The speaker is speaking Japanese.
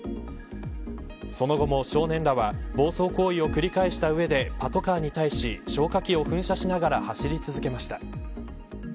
その後も少年らは暴走行為を繰り返した上でパトカーに対し消火器を噴射しながら走り続けました。